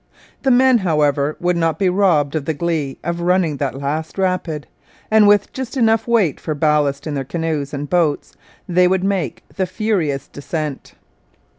The men, however, would not be robbed of the glee of running that last rapid, and, with just enough weight for ballast in their canoes and boats, they would make the furious descent.